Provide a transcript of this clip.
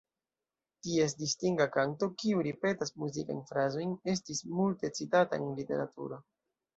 Ties distinga kanto, kiu ripetas muzikajn frazojn, estis multe citata en literaturo.